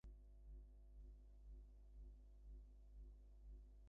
আমার নিখিলেশ বউকে যদি না সাজাত আর-কাউকে সাজাতে যেত।